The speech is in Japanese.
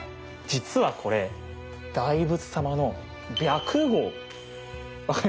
実はこれ大仏様の白毫。